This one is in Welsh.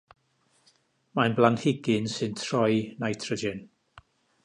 Mae'n blanhigyn sy'n troi nitrogen.